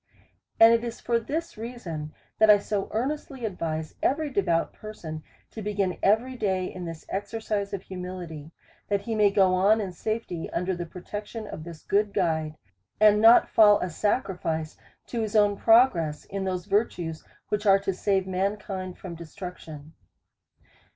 And it is for this reason, that I so earnestly advise every devout person to begin every day in this exer cise of humility, that he may go on in safety under the protection of his good guide, and not fall a sacrifice to his own progress in those virtues, which are to save mankind from destruction.